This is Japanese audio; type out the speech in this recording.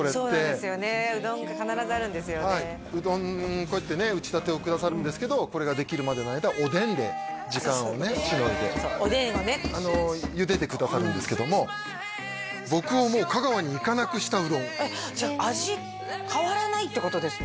こうやってね打ちたてをくださるんですけどこれができるまでの間おでんで時間をねしのいでそうおでんをねゆでてくださるんですけども僕をもう香川に行かなくしたうどんじゃあ味変わらないってことですね？